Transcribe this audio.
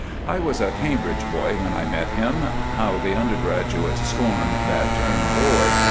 I was a Cambridge boy when I met him—how the undergraduates scorn that term "boy."